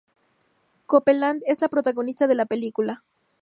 Copeland es la protagonista de la película.